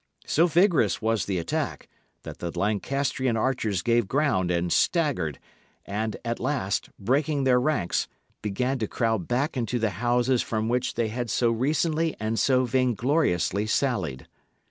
So vigorous was the attack, that the Lancastrian archers gave ground and staggered, and, at last, breaking their ranks, began to crowd back into the houses from which they had so recently and so vaingloriously sallied.